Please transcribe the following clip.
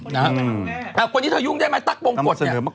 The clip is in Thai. แต่คนที่เธอยุ่งได้มั้ยตั๊กโบงกดเนี่ย